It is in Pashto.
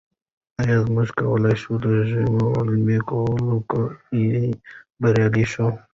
ایا موږ کولای شو د ژمنو عملي کولو کې بریالي شو؟